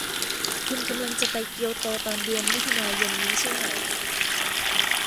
คุณกำลังจะไปเกียวโตตอนเดือนมิถุนายนนี้ใช่ไหม